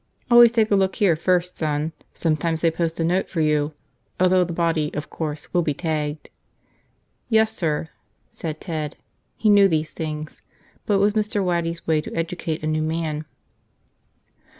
"Always take a look here first, son. Sometimes they post a note for you. Although the body, of course, will be tagged." "Yes, sir," said Ted. He knew these things. But it was Mr. Waddy's way to educate a new man.